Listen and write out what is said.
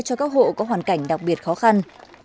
cho các hộ có hoàn cảnh đặc biệt khó khăn